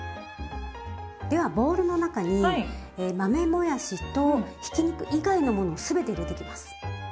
ではボウルの中に豆もやしとひき肉以外のものを全て入れていきます。